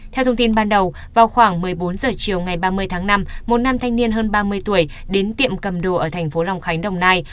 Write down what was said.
theo thông tin ban đầu vào khoảng một mươi bốn h chiều ngày ba mươi tháng năm một nam thanh niên hơn ba mươi tuổi đến tiệm cầm đồ ở thành phố long khánh đồng nai